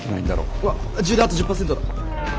うわ充電あと１０％だ。